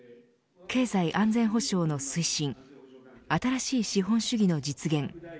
経済安全保障の推進新しい資本主義の実現